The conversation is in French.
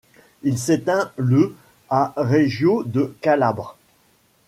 Il s'éteint le à Reggio de Calabre.